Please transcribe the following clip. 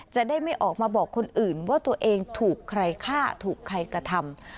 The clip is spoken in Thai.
จะได้ไม่ออกมาบอกคนอื่นว่าตัวเองถูกใครฆ่าถูกใครกระทำ